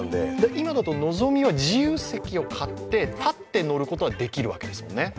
今だとのぞみは自由席を買って立って乗ることはできるんですよね。